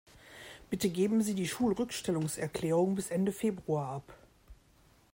Bitte geben Sie die Schulrückstellungserklärung bis Ende Februar ab.